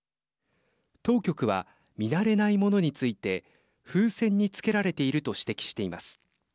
当局は、見慣れないものについて風船につけられていると指摘しています。